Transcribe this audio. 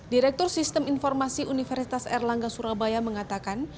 direktur sistem informasi universitas erlangga surabaya mengatakan